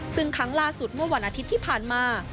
ซึ่งครั้งล่าสุดเมื่อวันอาทิตย์ที่ผ่านมา